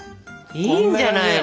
いいんじゃないの？